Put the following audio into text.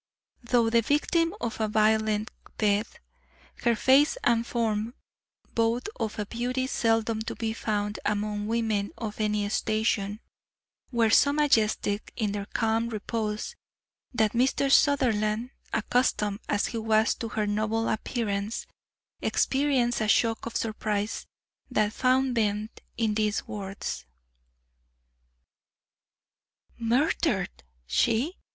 Though the victim of a violent death, her face and form, both of a beauty seldom to be found among women of any station, were so majestic in their calm repose, that Mr. Sutherland, accustomed as he was to her noble appearance, experienced a shock of surprise that found vent in these words: "Murdered! she?